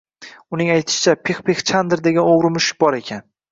Uning aytishicha, Pixpix Chandr degan o‘g‘ri mushuk bor ekan